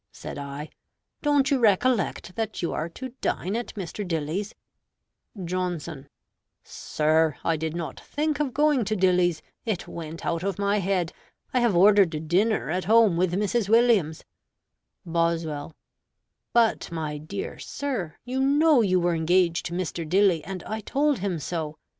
(said I). "Don't you recollect that you are to dine at Mr. Dilly's?" Johnson Sir, I did not think of going to Dilly's: it went out of my head. I have ordered dinner at home with Mrs. Williams. Boswell But, my dear sir, you know you were engaged to Mr. Dilly, and I told him so.